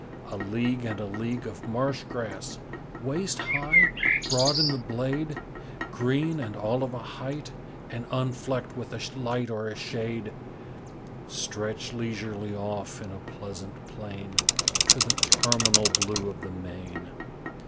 A league and a league of marsh grass, waist high, broad in the blade, Green, and all of a height, and unflecked with a light or a shade, Stretch leisurely off, in a pleasant plain, To the terminal blue of the main.